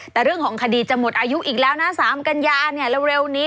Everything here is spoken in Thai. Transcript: แต่เรื่องของคดีจะหมดอายุอีกแล้วนะ๓กัญญาเนี่ยเร็วนี้